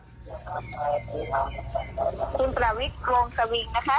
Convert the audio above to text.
คุณประวิสวงสวิงนะครับ